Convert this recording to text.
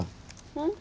うん？